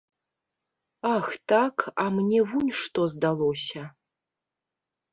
Ах, так, а мне вунь што здалося.